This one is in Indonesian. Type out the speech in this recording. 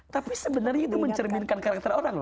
tapi sebenarnya itu mencerminkan karakter orang loh